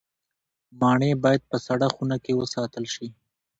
مڼې باید په سړه خونه کې وساتل شي.